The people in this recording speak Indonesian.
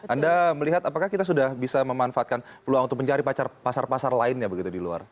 anda melihat apakah kita sudah bisa memanfaatkan peluang untuk mencari pasar pasar lainnya begitu di luar